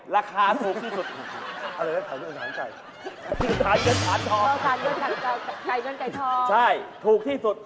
ราคาถูกที่สุด